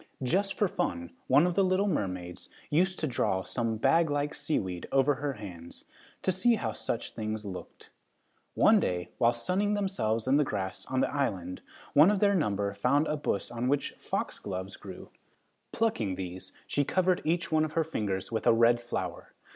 Just for fun, one of the little mermaids used to draw some bag like seaweed over her hands, to see how such things looked. One day, while sunning themselves in the grass on the island, one of their number found a bush on which foxgloves grew. Plucking these, she covered each one of her fingers with a red flower.